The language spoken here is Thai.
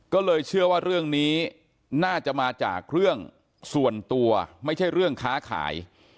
ก็เลยเชื่อว่าเรื่องนี้น่าจะมาจากเรื่องส่วนตัวไม่ใช่เรื่องค้าขาย